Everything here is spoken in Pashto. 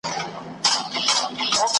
ملنګه ! تور د سترګو وایه څرنګه سپینېږي .